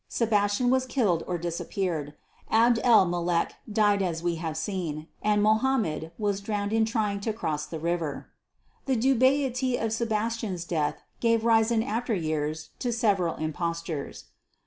Sebastian was killed or disappeared. Abd el Mulek died as we have seen, and Mohammed was drowned in trying to cross the river. The dubiety of Sebastian's death gave rise in after years to several impostures.